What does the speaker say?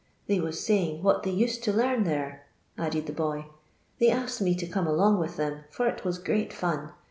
"They was saying what they used to learn there," added the boy. " They asked me to come along with them for it was great fun.